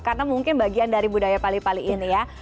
karena mungkin bagian dari budaya pali pali ini ya